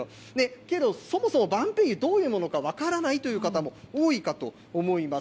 けど、そもそも晩白柚、どういうものか分からないという方も多いかと思います。